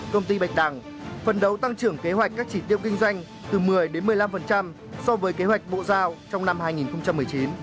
công ty bạch đằng phấn đấu tăng trưởng kế hoạch các chỉ tiêu kinh doanh từ một mươi một mươi năm so với kế hoạch bộ giao trong năm hai nghìn một mươi chín